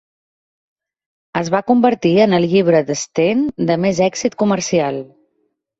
Es va convertir en el llibre d'Stein de més èxit comercial.